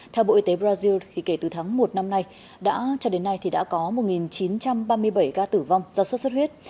theo bộ y tế brazil kể từ tháng một năm nay đã cho đến nay thì đã có một chín trăm ba mươi bảy ca tử vong do sốt xuất huyết